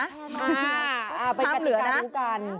อ้าวไปกระตือกะดูกันไปกระตือกะดูกัน